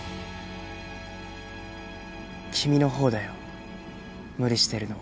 君のほうだよ無理してるのは。